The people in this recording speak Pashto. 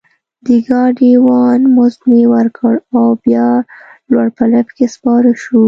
د ګاډي وان مزد مې ورکړ او بیا لوړ په لفټ کې سپاره شوو.